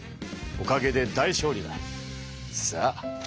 おかげで大勝利だ。さあ。